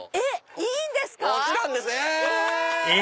いいんですか⁉え！